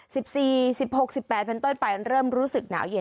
สิบสี่สิบหกสิบแปดเป็นต้นไปเริ่มรู้สึกหนาวเย็น